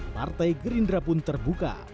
partai gerindra pun terbuka